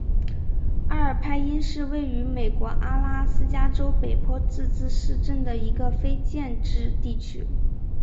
阿尔派因是位于美国阿拉斯加州北坡自治市镇的一个非建制地区。